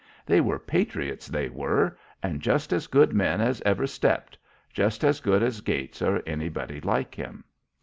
They were patriots, they were, and just as good men as ever stepped just as good as Gates or anybody like him.